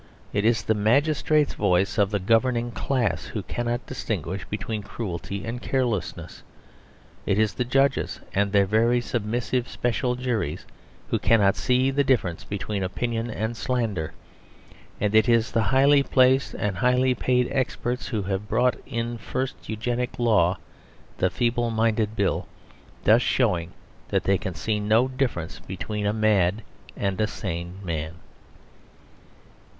It is the magistrates voices of the governing class who cannot distinguish between cruelty and carelessness. It is the judges (and their very submissive special juries) who cannot see the difference between opinion and slander. And it is the highly placed and highly paid experts who have brought in the first Eugenic Law, the Feeble Minded Bill thus showing that they can see no difference between a mad and a sane man.